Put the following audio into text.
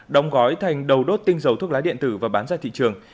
đóng gói thành đầu đốt tinh dầu thuốc lá điện tử và bán ra thị trường